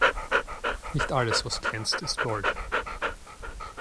Nicht alles, was glänzt, ist Gold.